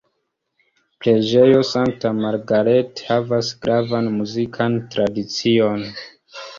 Preĝejo Sankta Margaret havas gravan muzikan tradicion.